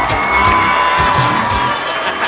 ร้องได้ให้ล้าน